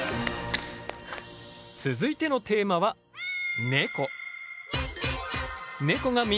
続いてのテーマはネコ。